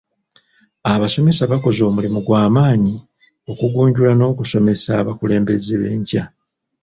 Abasomesa bakoze omulimu gw'amaanyi okugunjula n'okusomesa abakulembeze b'enkya.